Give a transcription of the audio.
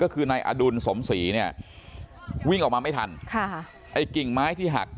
ก็คือนายอดุลสมศรีเนี่ยวิ่งออกมาไม่ทันค่ะไอ้กิ่งไม้ที่หัก